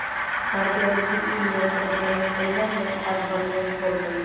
Parte oni sur ili entreprenas enlandan akvan transporton.